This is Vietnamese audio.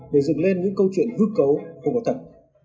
để dựng lên những câu chuyện hư cấu không có thật